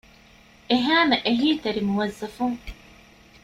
އެހައިމެ އެހީތެރި މުވައްޒަފުން